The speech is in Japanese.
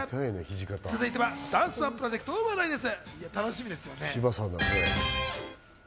続いてはダンスＯＮＥプロジェクトの話題です。